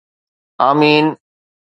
آمين